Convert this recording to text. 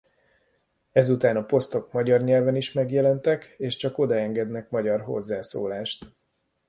Ezután a posztok magyar nyelven is megjelentek és csak oda engednek magyar hozzászólást.